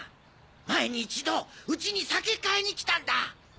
前に一度うちに酒買いに来たんだ！